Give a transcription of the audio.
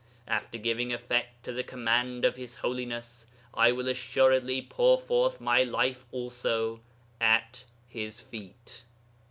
After giving effect to the command of His Holiness, I will assuredly pour forth my life also at His feet."